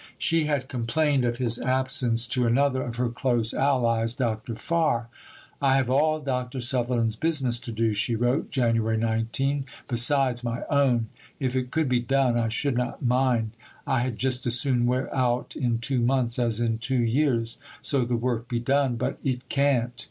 She had complained of his absence to another of her close allies, Dr. Farr. "I have all Dr. Sutherland's business to do," she wrote (Jan. 19), "besides my own. If it could be done, I should not mind. I had just as soon wear out in two months as in two years, so the work be done. But it can't.